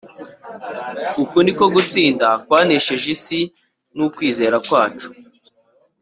Uku ni ko gutsinda k kwanesheje isi ni ukwizera kwacu